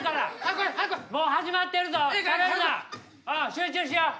集中しよう！